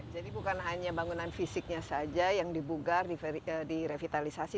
jadi bukan hanya bangunan fisiknya saja yang dibugar direvitalisasi